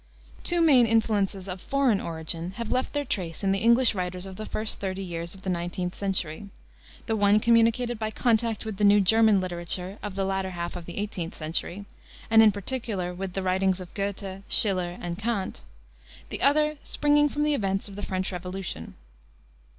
Two main influences, of foreign origin, have left their trace in the English writers of the first thirty years of the 19th century, the one communicated by contact with the new German literature of the latter half of the 18th century, and in particular with the writings of Goethe, Schiller, and Kant; the other springing from the events of the French Revolution.